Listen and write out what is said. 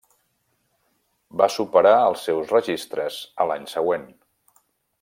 Va superar els seus registres a l'any següent.